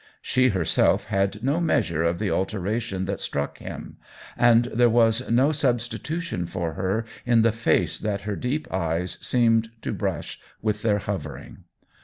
She herself had no measure of the alteration that struck him, and there was no sub stitution for her in the face that her deep eyes seemed to brush with their hovering.